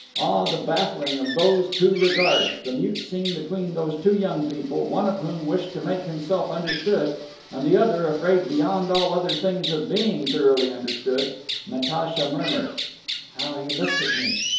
Ah, the baffling of those two regards, the mute scene between those two young people, one of whom wished to make himself understood and the other afraid beyond all other things of being thoroughly understood. Natacha murmured: "How he looks at me!